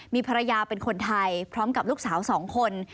มีภรรยาเป็นคนไทยพร้อมกับลูกสาว๒คน